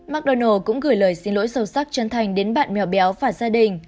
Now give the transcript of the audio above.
mcdonald s cũng gửi lời xin lỗi sâu sắc chân thành đến bạn mèo béo và gia đình